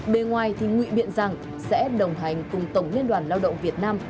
bề ngoài thì nguyện biện rằng sẽ đồng hành cùng tổng liên đoàn lao động việt nam